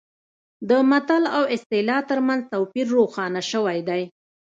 د متل او اصطلاح ترمنځ توپیر روښانه شوی دی